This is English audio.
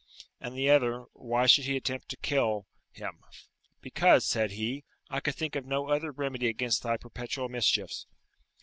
And the other, why he should attempt to kill him? "Because," said he, "I could think of no other remedy against thy perpetual mischiefs."